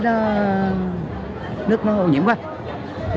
nếu mà người dân hoặc là